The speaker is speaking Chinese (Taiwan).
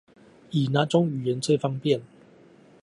以那種語言最方便？